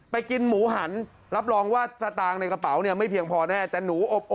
พอแน่จะหนูอบโอ่งอันนี้ของดีจังหวัดแจ้งแผงเพชรนะครับ